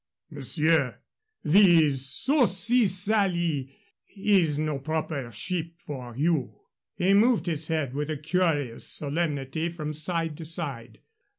"Monsieur, the Saucy Sally is no proper ship for you." He moved his head with a curious solemnity from side to side.